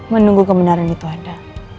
menunggu kebenaran itu ada